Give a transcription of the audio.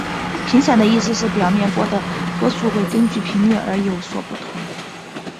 频散的意思是表面波的波速会根据频率而有所不同。